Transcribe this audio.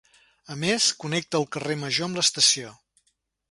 A més, connecta el carrer Major amb l'estació.